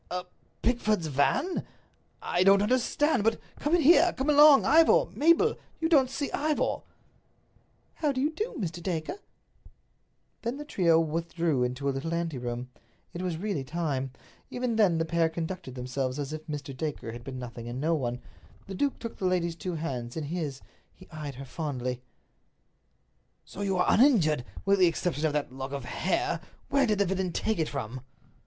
"A Pickford's van? I don't understand. But come in here. Come along, Ivor. Mabel, you don't see Ivor." "How do you do, Mr. Dacre?" Then the trio withdrew into a little anteroom; it was really time. Even then the pair conducted themselves as if Mr. Dacre had been nothing and no one. The duke took the lady's two hands in his. He eyed her fondly. "So you are uninjured, with the exception of that lock of hair. Where did the villain take it from?"